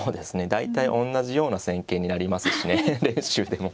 大体おんなじような戦型になりますしね練習でも。